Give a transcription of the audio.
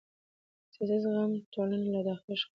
سیاسي زغم ټولنه له داخلي شخړو ژغوري